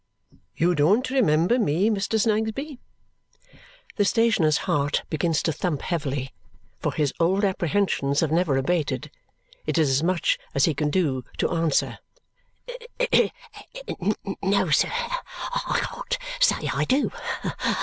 "You don't remember me, Mr. Snagsby?" The stationer's heart begins to thump heavily, for his old apprehensions have never abated. It is as much as he can do to answer, "No, sir, I can't say I do.